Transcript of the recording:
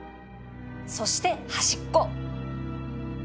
そして端っこ